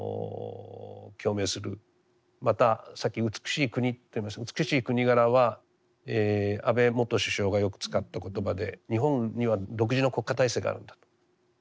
またさっき「美しい国」と言いましたが「美しい国柄」は安倍元首相がよく使った言葉で日本には独自の国家体制があるんだと。